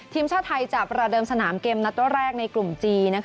ทีมชาติไทยจะประเดิมสนามเกมนัดแรกในกลุ่มจีน